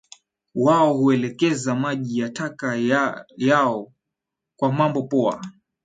Wao huelekeza maji taka yao kwa mambo poa